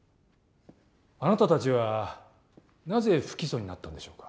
あなたたちはなぜ不起訴になったんでしょうか。